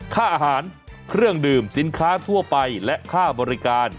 ค่าอาหารเครื่องดื่มสินค้าทั่วไปและค่าบริการ